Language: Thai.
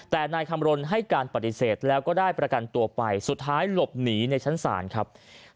แต่นายคำรณให้การปฏิเสธแล้วก็ได้ประกันตัวไปสุดท้ายหลบหนีในชั้นศาลครับ